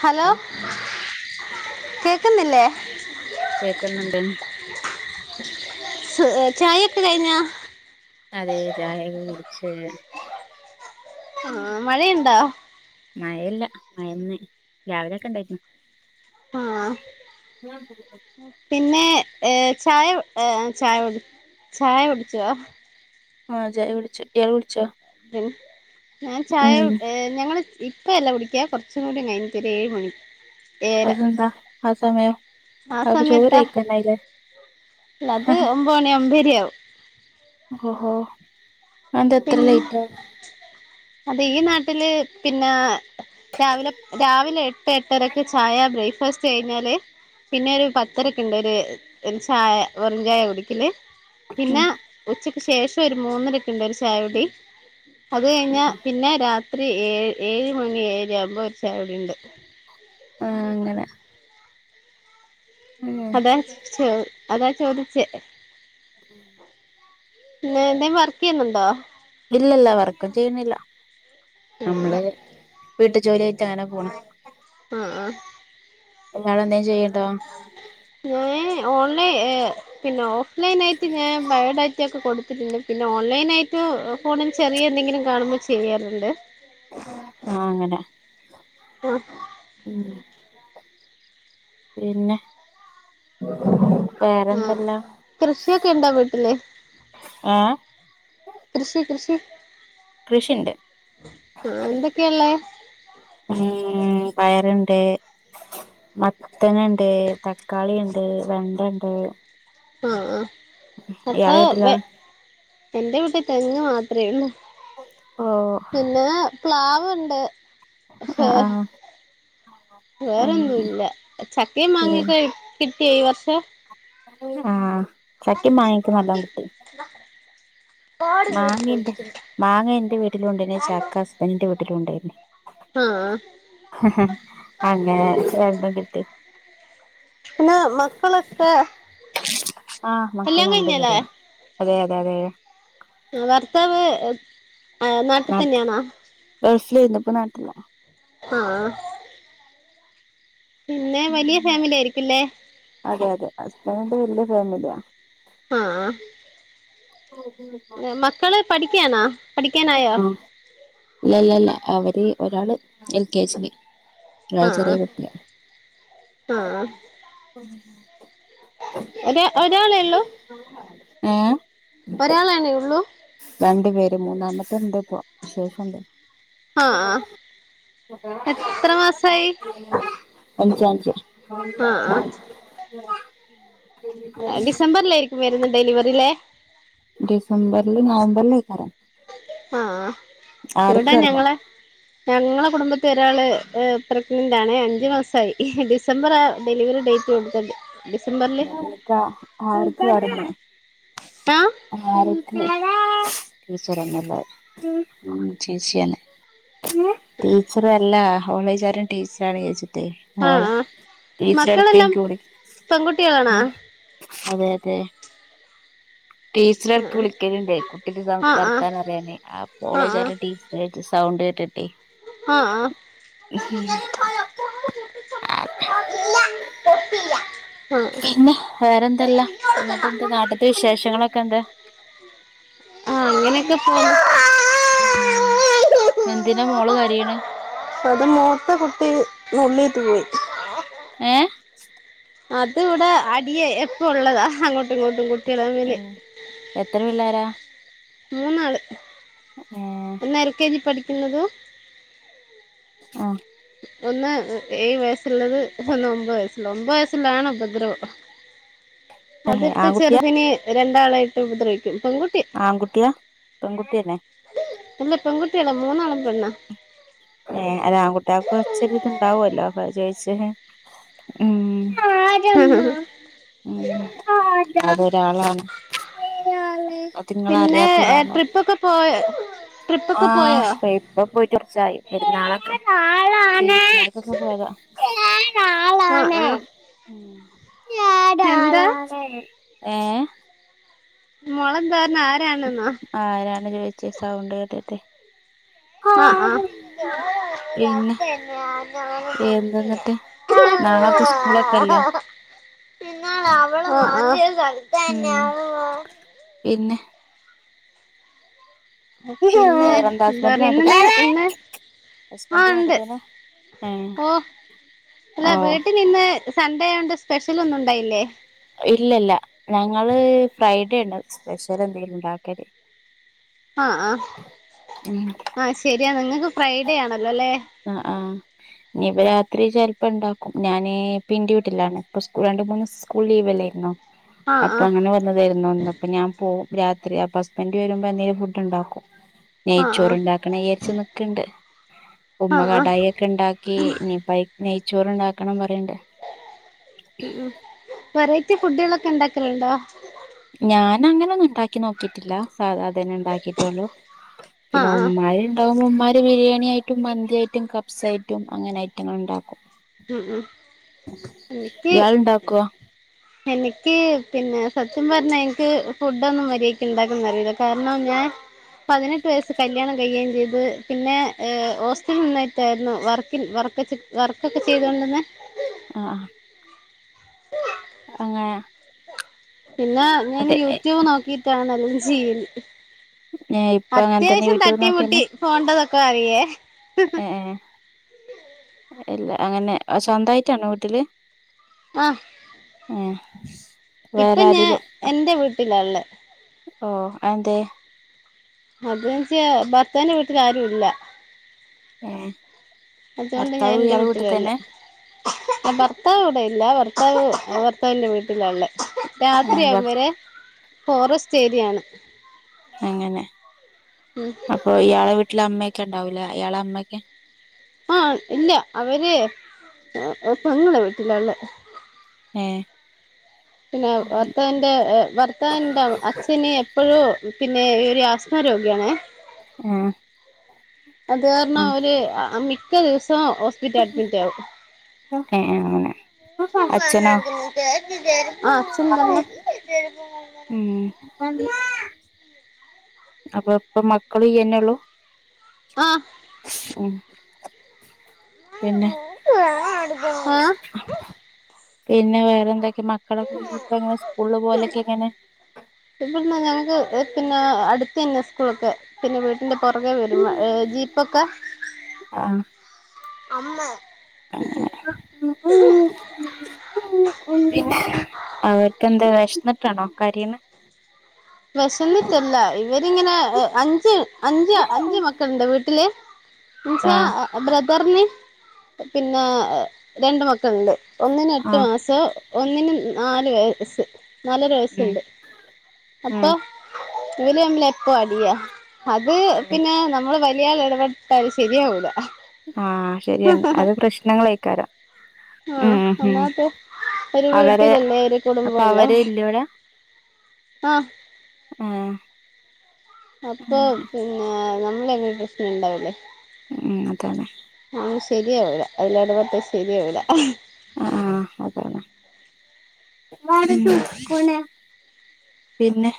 Hello കേക്കുന്നില്ലേ ഉം ചായ ഒക്കെ കഴിഞ്ഞാ അതെ ചായൊക്കെ കുടിച് ആഹ മഴയുണ്ടാ മഴ ഇല്ല മയന്ന് രാവിലൊക്കെ ഇണ്ടായിരുന്നു. ആഹ പിന്നെ ഏ ചായ ചായ ചായ കുടിച്ചുവൊ ആഹ ചായ കുടിച് ഇയാള് കുടിച്ചോ ഞാൻ ചായ ഉം [unintelligible] ഞങ്ങള് ഇപ്പ അല്ല കുടിക്കാ കുറച്ചും കൂടി കഴിഞ്ഞിട്ട് ഒരു ഏഴ് മണി ഏഴര അതെന്താ ആ സമയം അപൊ ചോറുകഴിക്കണ്ടയിലെ അല്ലത് ഒമ്പ മണിയാവുമ്പോ ഇരിയാവും ഓഹോ അതെന്താ ഇത്ര പിന്നെ ലേറ്റ് അത് ഈ നാട്ടില് പിന്നെ രാവിലെ രാവിലെ എട്ട് എട്ടരക്ക് ചായ ബ്രേക്ക്ഫാസ്റ്റ് കഴിഞ്ഞാല് പിന്നെ ഒരു പത്തരക്കിണ്ടൊര് ഒര് ചായ വെറുഞ്ചായ കുടിക്കല് ഉം പിന്നെ ഉച്ചക്ക് ശേഷം ഒരു മൂന്നരക്കിണ്ടൊരു ചായകുടി അത് കഴിഞ്ഞ പിന്നെ രാത്രി ഏഴ് ഏഴ് മണി ഏഴര ആവുമ്പോ ഒരു ചായകുടിണ്ട് ആഹ അങ്ങനെ അതാ ചോ അതാ ചോദിച്ചേ ഉം ഇങ്ങളെന്തെ വറക്കെയ്യുന്നുണ്ടൊ ഇല്ലല്ല വർക്കും ചെയ്യുന്നില്ല ആഹ് നമ്മള് വീട്ടു ജോലി ആയിട്ട് അങ്ങനെ പോണ് ആഹ ഇങ്ങള് എന്തേം ചെയ്യണ്ടൊ ഞാൻ ഓൺലൈൻ ഏ പിന്നെ ഓഫ്ലൈന ആയിട്ട് ഞാൻ ബയോഡാ റ്റൊക്കെ കൊടുത്തിട്ടുണ്ട് പിന്നെ ഓൺലൈൻ ആയിട്ട് ഫോണിൽ ചെറിയ എന്തെങ്കിലും കാണുമ്പോൾ ചെയ്യാറുണ്ട് ആഹ അങ്ങനെ ആഹ ഉം പിന്നെ അ വേറെന്തെല്ലാം കൃഷിയൊക്കെ ഇണ്ടോ വീട്ടിലേ ഏഹ് കൃഷി കൃഷി കൃഷിണ്ട് ആ എന്തൊക്കെയള്ളേ ഉം പയറുണ്ട് മത്തനണ്ട് തക്കാളിണ്ട് വെണ്ടണ്ട് ആ ആ അപ്പൊ ഇയാളെ വീട്ടിലോ എന്റെ വീട്ടിൽ തെങ് മാത്രേള്ള ഓ പ്ലാവുണ്ട് ആ ആ വേറൊന്നും ഇല്ല ചക്ക മാങ്ങിക്കെ കിട്ടിയ ഈ വർഷ ആ ചക്ക മാങ്ങൊക്കെ നല്ല കിട്ടി മാങ്ങ ൻ്റെ മാങ്ങ ൻ്റെ വീട്ടിലുണ്ട്ന്നെ ചാക്ക ഹസ്ബൻറിന്റെ വീട്ടിലുണ്ടായിന്നെ ആ അഹ അങ്ങനെ രണ്ടും കിട്ടി മക്കളക്ക ആഹ് മക്കൾ രണ്ടുപേരാണ് അതെ അതെ അതെ ആ ഭർത്താവ് നാട്ടിൽ തന്നെയാണാ ഇന്ത പൊ നാട്ടിലാ ആ ഫാമിലി ആയിരിക്കുംല്ലേ അതെ അതെ ഹസ്ബൻഡന്റെ വലയ ഫാമിലിയാ ആ മക്കള് പഠിക്കാനാ പഠിക്കാനായോ ഇല്ലല്ലല്ല അവര് ഒരാള് എൽ കെ ജി രാൾ ആഹ് ചെറിയ കുട്ട്യാ ഒ ഒരാളേ ഉള്ളു ഏഹ് ഒരാളന്നെ ഉള്ളു രണ്ടു പേര് മൂന്നാമത്തെ ഉണ്ട് പോ വിശേഷ ണ്ട് ആഹ് ആഹ് എത്ര മാസായി [unintelligible] അഞ്ചഞ്ച് [unintelligible] ആഹ് ഡിസംബറിലയിരിക്കും വരുന്ന ഡെലിവറില്ലേ ഡിസംബർൽ നവംബർൽ എക്കാരം ആ ഇവിടെ ആർക്കായിരുന്നു ഞങ്ങളെ ഞങ്ങളെ കുടുംബത്തിൽ ഒരാള് പ്രഗ്നനൻ്റ് [unintelligible] അഞ്ചു മാസമായി ഡിസംബറിലായ ഡെലിവറി ഡേറ്റ് [unintelligible] [unintelligible] ആക്ക്ടങ്ങന്ന് ആഹ് ആ [unintelligible] ടീച്ചർന്നല്ല ചേച്ചിയാണ് ടീച്ചറ അല്ല കോളേജാര ടീച്ചറ ആാണ് എന്ന് വിജാരിച്ച് ആ മക്കളെല്ലാം എനിക്ക് വിളി പെൺകുട്ടികളാണോ ഉം അതെ അതെ ടീച്ചർക്ക് ആഹ് വിളിക്കലണ്ടേ കുട്ടിക്ക് ആഹ് വർത്താനം അറിയാന് ആ ആഹ് ആഹ് പോളേജ ടീച്ചർ് സൗണ്ട് ആഹ് ആഹ് [unintelligible] ആഹ് [unintelligible] ആഹ് ആഹ് പിന്നെ വേറെന്തല്ല എന്നിട്ട്ന്ത് നാട്ടത്തെ വിശേഷങ്ങളൊക്കെ എന്താ ആ അങ്ങനെയൊക്കെ പോ ഉം മ്മ് അത് മൂത്ത കുട്ടി മുള്ളിട്ട് പോയി ഏ അത് ഇവിടെ അടിയെ എപ്പ ഉള്ളതാ അങ്ങോട്ടും ഇങ്ങോട്ടും ഇങ്ങോട്ടും എത്ര പിള്ളേരാ മൂന്നാള് ഏ ഒന്ന് എൽ കെ ജി പഠിക്കുന്നതും ആ ഒന്ന് ഏഴുവയസ്സുള്ളത് ഒന്ന് ഒമ്പതുവയസ്സുള്ള ഒമ്പത് വയസ്സുള്ളാണ് ഉപദ്രവം അതിട്ട് ആൺകുട്ടിയാ ചെറുതിന് രണ്ടാളായിട്ട് ഉപദ്രവിക്കും പെൺകുട്ടി ആൺകുട്ടിയാ പെൺകുട്ടിയന്നെ ഇല്ല പെൺകുട്ടിയല്ല മൂന്നാളും പെണ്ണാ ഏ അല്ല ആൺകുട്ടികൾക്ക് കുറച്ചൊരു ഇതുണ്ടാവുമല്ലോ ഉം ഉം അതൊരാളാണ് പിന്നെ അതിങ്ങളറിയാത്ത ഒരാളാണ് ട്രിപ്പൊക്കെ പോയോ ആ ട്രിപ്പൊക്കെ പോയോ ഇപ്പൊ പോയിറ്റ് കൊറച്ചായി പെരുന്നാളൊക്കെ ക്കേ പോയതാ ആഹ് ആഹ് എന്താ ഏ മോളെന്താ പറഞ്ഞെ ആരാണെന്നോ ആരാണ് ചോയിച്ചെ സൗണ്ട്കേട്ടിട്ടെ ആ ആ [unintelligible] പിന്നെ എന്തെന്നിട്ട് നാളെപ്പൊ സ്കൂളൊക്കെല്ലേ ഉം [unintelligible] പിന്നെ പിന്നെ വേറെന്താ എന്താ ഹസ്ബൻഡ് പറയാ നാട്ടി ഇന്നെന്താ ഇന്ന് ആ ഹസ്ബൻഡ് ഉണ്ട് നാട്ടിലെന്നെ ഏ അല്ലാ വീട്ടിലിന്ന് സൺണ്ടേആയോണ്ട് സ്പെഷ്യൽ ഒന്നുണ്ടായില്ലേ ഇല്ലല്ല ഞങ്ങള് ഫ്രൈഡേണ് സ്പെഷ്യൽ എന്തെങ്കിലും ഉണ്ടാക്കല് ആ ആ ഉം ആ ശരിയാ നിങ്ങക്ക് ഫ്രൈഡേ ആണ് അ ആ ഞിപ്പോ രാത്രി ചെൽ ഇപ്പണ്ടാക്കും ഞാന് പിന്റെ വിട്ടില്ലാണ് പ്പ സ്കൂൾ രണ്ട് മൂന്നീസം സ്കൂൾ ലീവല്ലെർന്നോ ആ ആ അപ്പൊ അങ്ങനെ വന്നതെർന്നു ഇന്ന് പ്പ ഞാൻ പോകും രാത്രി അപ്പ ഹസ്ബൻഡ് വരുമ്പോ എന്തേലും ഫുഡ്ണ്ടാക്കും ആ നെയ്ച്ചോറ് ആ ഉണ്ടാക്കണം വിചാരിച് നിക്ക്ണ്ട് ആ ഉമ്മ ആ കടായി ഒക്കെ ഉണ്ടാക്കി ഇനിപ്പയ്ക്ക് നെയ്ച്ചോറ് ഉണ്ടാക്കണം പ ഉം വെറൈറ്റി ഫുഡുകളൊക്കെ ഉണ്ടാക്കലുണ്ടോ ഞാൻ അങ്ങനെ ഒന്നും ഉണ്ടാക്കി നോക്കിട്ടില്ല സാധാ ന്നെ ഉണ്ടാക്കിയിട്ടുള്ളൂ ആ പിന്നെ ആ ഉമ്മാര് ഉണ്ടാകുമ്പോ ഉമ്മാര് ബിരിയാണി ആയിട്ടും മന്തിയായിട്ടും കപ്സായിട്ടും അങ്ങനെ ഐറ്റങ്ങൾ ഉണ്ടാക്കും ഉ ഉം എനിക്ക് ഇയാൾ ഉണ്ടാക്കോ എനിക്ക് പിന്നെ സത് ത്യം പറഞ്ഞ എനിക്ക് ഫുഡ്ഡൊന്നും മര്യാക്ക് ഉണ്ടാക്കാൻ അറിയില്ല കാരണം ഞാൻ പതിനെട്ട് വയസ്സ് കല്യാണം കഴിയേംചെയ്തു പിന്നെ ഏ ഹോസ്റ്റലിനിന്നിട്ടായിരുന്നു വർക്കിൻ വർ വർക്കൊക്കെ ചെയ്തോണ്ടിന്നെ അ അ അങ്ങനെ പിന്നെ ഞാൻ അതെ യൂട്യൂബ് നോക്കിട്ടാണ് എല്ലാം ചെയ്യുന്നത് ഇപ്പൊ അങ്ങനെ തന്നെ അത്യാവശ്യം യൂട്യൂബ് തട്ടി മുട്ടി നോക്കിന്നെ പോണ്ടതൊക്കെ അറിയേ [inaudible] എല്ല അങ്ങനെ സ്വന്തായിട്ടാണോ വീട്ടില് ആ ഏഹ് ഇപ്പൊ വേറെ ഞാൻ ആരേലും എന്റെ വീട്ടിലാള്ളെ ഓ അതെന്തേ അതന്ന്ചാ ഭർത്താവിന്റെ വീട്ടിലാരും ഇല്ല [unintelligible] അതുകൊണ്ട് ഞാൻ ഭർത്താവ് ഇന്റെ ഇയാളെ വീട്ടിൽ വീട്ടിലാള്ളെ തന്നെ ആ ഭർത്താവ് ഇടെ ഇല്ല ഭർത്താവ് ഭർത്താവിന്റെ വീട്ടിലായൊള്ളേ ഏഹ് രാത്രിയാകുമ്പരെ ഫോറസ്റ്റ് ഏരിയയാണ് അങ്ങനെ അപ്പൊ ഇയാളെ വിട്ട് വീട്ടില് അമ്മയൊക്കെ ഉണ്ടാവൂലെ അയാള അമ്മയൊക്കെ ആ ഇല്ല അവര് പെങ്ങളെ വീട്ടിലായൊള്ളേ ആ പിന്നെ ഭർത്താന്റെ ഭർത്താവിന്റെ അച്ഛന് എപ്പോഴും പിന്നെ ഒരു ആസന രോഗിയണ ആഹ അത് കാരണം ഒരുര് മിക്ക ദിവസവും ഹോസ്പിറ്റൽ അഡ്മിറ്റ് ആകും ക്കെ അങ്ങനെ സുമ അച്ഛനോ നടക്ക ശരി ആഹ സന്നല്ല ഉം അ അപ്പൊ ഇപ്പൊ മക്കളന്നെള്ളു ആ ഉം പിന്നെ അ പിന്നെ വേറെ എന്തൊക്കെ മക്കള ഇങ്ങനെ സ്കൂള് പോലെയക്കെ ഇങ്ങനെ ഏ പിന്നെ അടുത്ത തന്നെ സ്കൂളൊക്കെ പിന്നെ വീട്ടിന്റെ പുറകെ വരും ഏ ജീപ്പൊക്കെ ആ ആ ഉ ഉ ഉ അവർക്കെന്താ വിഷന്നിട്ടാണോ കാര്യന വിശന്നിട്ടല്ല ഇവരിങ്ങനെ അഞ്ച് അഞ്ച് അഞ്ച് മക്കളുണ്ട് വീട്ടില് ആ മച്ചാ ബ്രദറിന് പിന്നെ രണ്ട് മക്കളുണ്ട് ഒന്നിന ആ എട്ട് മാസോ ഒന്നിിനന് നാാല വയസ്സ് നല്ലൊരു ഉം വയസ്സുണ്ട് അപ്പൊ ഉം ഇവല് തമ്മിൽ എപ്പ അടിയ അത് പിന്നെ നമ്മള് പിിയൽ ഇടപെട്ടാത് ശരിയ കൂട ആഹ ശരിയാണ് അത് പ്രശ്നങ്ങൾായിക്കാരം ആഹ് ഉം ഹം ഒന്നാമത്തെ ഒരു അവരെ വീട്ടിലല്ലേ ഒരു അപ്പൊ കുടുംബമുള്ളെ അവരെ ഇല്ലോട ആഹ് ആ അപ്പൊ പിന്നെ നമ്മള എങ്ങനും പ്രശ്നുണ്ടാവലേ ഉ അതതെ ആ ശരിയാവിട അതില ഇടപട്ട ശരിയാവിട ആഹ അതാണ്ണ പിന്നെ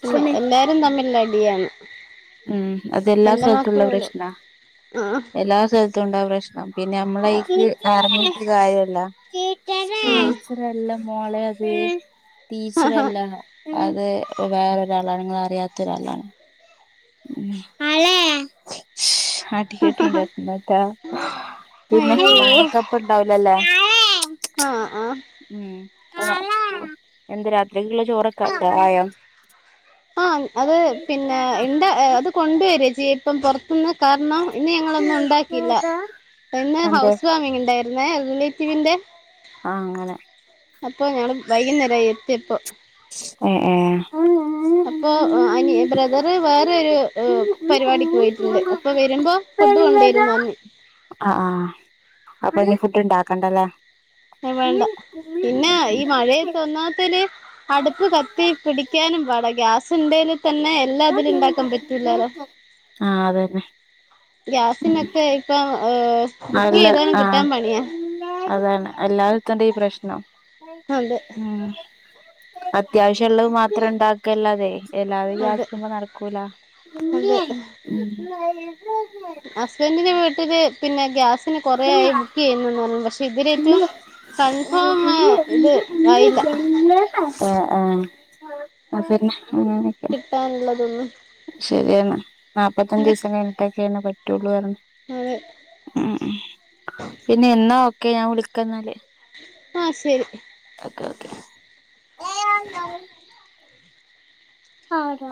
പിെ എല്ലാരും തമ്മിൽ നടടിയാണ് ഉം അതെല്ലാ സ്ഥലത്തുംള്ള പ്രശ്ന ആ എല്ലാ സ്ഥലത്തുംണ്ട പ്രശ്നം പിന്നെ ആ നമ്മളറ കാര്യല്ലച്ചല്ലാം മോളെ അത് ടീച്ചറല്ല അത് വേറെ അറിയാത്ത ആടിക്കട്ടുണ്ടാക്കുന്ന കേട്ടാ പിന്നെക്കെപ്പ ഇണ്ടാവലല്ലേ ആഹ ആഹ ഉ എന്ത് രാത്രിക്കുള്ള ചോറൊക്കെ ആയാ ആഹ അത് പിന്നെ ഇ അത് കൊണ്ടുവരു ചി ഇപ്പം പുറ കാരണം ഇനി ഞങ്ങളൊന്നും ഉണ്ടാക്കിയില്ല ഇന്ന് എന്ത് ഹൗസ് വാമിംഗ ഉണ്ടായിരുന്നേ അനെത്തിവിന്റെ ആ അങ്ങനെ അപ്പൊ ഞൻ വൈകുന്നേരം എത്തിയപ്പോ ഓ അപ്പോൊഅനി ബ്രദറ് വേറെരു ഏ പരിപാടിക്ക് പോയിട്ടുണ്ട് അപ്പൊ വരുമ്പോ ഫുഡ് കൊണ്ടുവരുന്ന തന്നെ ആ അപ്പൊ ഇനി ഫുഡ് ഇണ്ടാക്കണ്ടല്ലേ ഹെ വേണ്ട. പിന്നെ ഈ മഴയ ഒക്കെ ഓൻന്നാത്തല് അടുപ്പ് കത്തി പിടിക്കാനും പാട ഗ്യാസ് സുണ്ടൽ തന്നെ എല്ലാം അതിൽ ഉണ്ടാക്കാൻ പറ്റില്ലാല്ലോ. ആ അതന്നെ ഉം ഗ്യാസിനൊക്കെ ഇപ്പം ഏ ബുക്ക് അല്ല ചെയ്താലും കിട്ടാൻ ആഹ് പണിയാ. അതാണ് എല്ലാതാ തന്റെ ഈ പ്രശ്നം. അതെ. അത്യാവശ്യം ഉുള്ളത് മാത്രം ഉണ്ടാക്കല്ലാതെ. എല്ലാവരും അതെ ജാസുമ്പ നടക്കൂല. അതെ ഹസ്ബൻഡിന്റെ വീട്ടില് പിന്നെ ഗ്യാസ്. ന് കുറയായി ആഹ് ബുക്ക് ചെയ്യുന്നന്ന് പറഞ്ഞു പക്ഷെ ഇതിലേറ്റവും കൺഫോമ് ഇത് ആയില്ല. ആഹ പിന്നെ അങ്ങനൊക്കെ. കിട്ടാനുള്ളതൊന്നും ശരിയാണ് നാപ്പത്തഞ്ച്ദിവസം കഴിഞ്ഞിട്ടൊക്കെഎന്ന് പറ്റുള്ളൂ പറഞ്ഞ്. അതെ ഉം ഉം പിന്നെ എന്നാ ഒക്കെ ഞാൻ വിളിക്കന്നാൽ. ആഹ ശരി. ഏ. ആരോ.